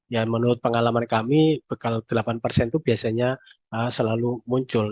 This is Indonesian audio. ya menurut pengalaman kami bekal delapan persen itu biasanya selalu muncul